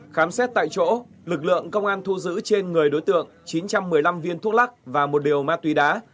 khám xét tại chỗ lực lượng công an thu giữ trên người đối tượng chín trăm một mươi năm viên thuốc lắc và một điều ma túy đá